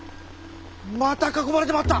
また囲まれてまった！